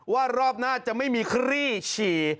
ว่ารอบหน้าจะไม่มีคลี่ฉี่